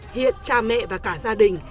hiện cha mẹ và cả gia đình